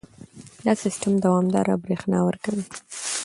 دا سیستم دوامداره برېښنا ورکوي.